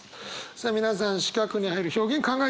さあ皆さん四角に入る表現考えてみましょう。